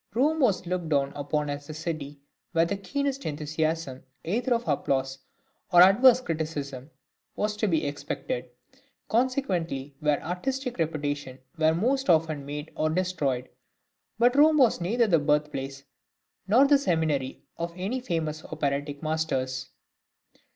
Rome was looked upon as the city where the keenest enthusiasm either of applause or adverse criticism was to be expected, consequently where artistic reputations were most often made or destroyed; but Rome was neither the birthplace nor the seminary of any famous operatic masters.